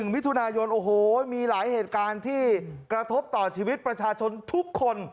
มิถุนายนโอ้โหมีหลายเหตุการณ์ที่กระทบต่อชีวิตประชาชนทุกคน